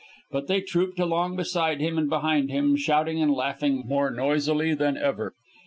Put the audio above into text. But they trooped along beside him and behind him, shouting and laughing more noisily than ever.